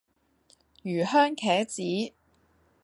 魚香茄子